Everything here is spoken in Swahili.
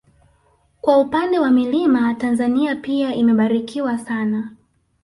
Kwa upande wa milima Tanzania pia imebarikiwa sana